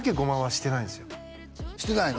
してないの？